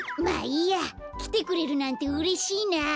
まあいいやきてくれるなんてうれしいな。